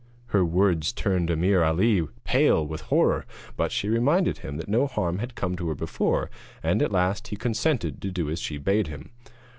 Her words turned Ameer Ali pale with horror; but she reminded him that no harm had come to her before, and at last he consented to do as she bade him.